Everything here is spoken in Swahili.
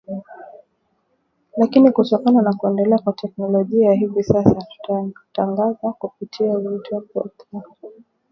Lakini kutokana na kuendelea kwa teknolojia hivi sasa tunatangaza kupitia pia kwenye mitambo ya masafa ya kati